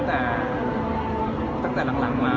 แต่แต่หลังว่า